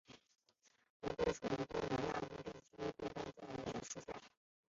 无根萍属在东南亚部份地区被当作蔬菜。